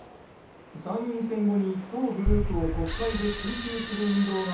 参院選後に当グループを国会で追及する運動が